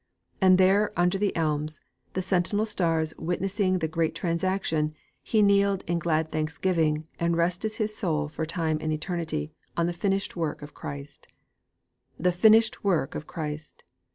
And there, under the elms, the sentinel stars witnessing the great transaction, he kneeled in glad thanksgiving and rested his soul for time and for eternity on 'the Finished Work of Christ.' VIII '_The Finished Work of Christ!